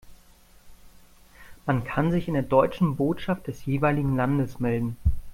Man kann sich in der deutschen Botschaft des jeweiligen Landes melden.